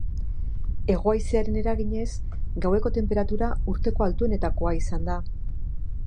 Hego-haizearen eraginez, gaueko tenperatura urteko altuenetakoa izan da.